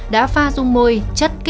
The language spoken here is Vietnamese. đã pha rung môi và chất tạo màu